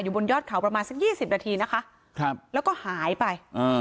บนยอดเขาประมาณสักยี่สิบนาทีนะคะครับแล้วก็หายไปอ่า